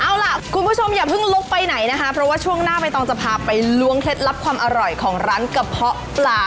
เอาล่ะคุณผู้ชมอย่าเพิ่งลุกไปไหนนะคะเพราะว่าช่วงหน้าใบตองจะพาไปล้วงเคล็ดลับความอร่อยของร้านกระเพาะปลา